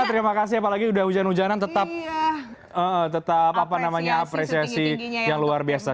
terima kasih apalagi udah hujan hujanan tetap apresiasi yang luar biasa